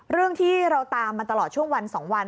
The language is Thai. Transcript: เรื่องที่เราตามมาตลอดช่วงวัน๒วัน